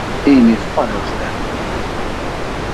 Amy follows them.